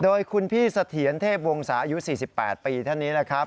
โดยคุณพี่เสถียรเทพวงศาอายุ๔๘ปีท่านนี้นะครับ